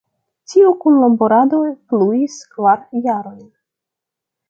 Tiu kunlaborado pluis kvar jarojn.